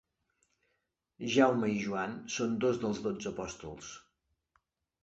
Jaume i Joan són dos dels dotze apòstols.